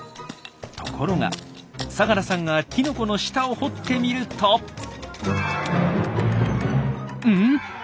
ところが相良さんがきのこの下を掘ってみるとうん？